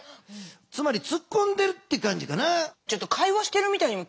つまりつっこんでるって感じかな。